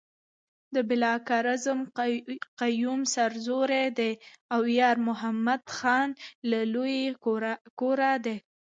د بالاکرز قیوم سرزوره دی او یارمحمد خان له لوی کوره دی.